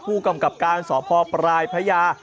ผู้กำกับการสพพัยา